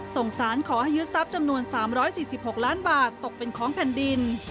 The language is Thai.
ส่งสารขอให้ยึดทรัพย์จำนวน๓๔๖ล้านบาทตกเป็นของแผ่นดิน